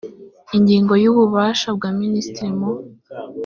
ingingo ya ububasha bwa minisitiri mu